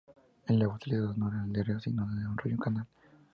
El agua utilizada no era del río sino de un arroyo o canal.